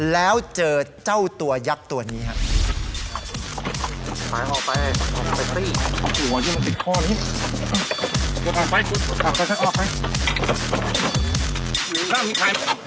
แล้วเจอเจ้าตัวยักษ์ตัวนี้ครับ